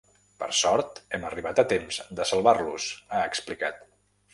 Per sort, hem arribat a temps de salvar-los, ha explicat.